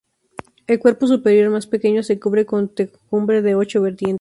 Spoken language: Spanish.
El cuerpo superior, más pequeño, se cubre con techumbre de ocho vertientes.